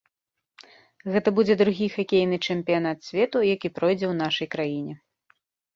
Гэта будзе другі хакейны чэмпіянат свету, які пройдзе ў нашай краіне.